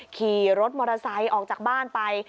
ขี่รถมอเตอร์ไซค์ออกจากบ้านไป